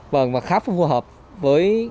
và khá phù hợp với